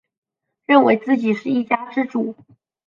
认为自己是一家之主